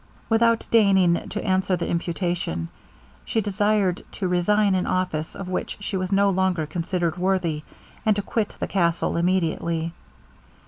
Without deigning to answer the imputation, she desired to resign an office of which she was no longer considered worthy, and to quit the castle immediately.